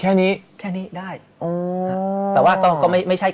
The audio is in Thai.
เออ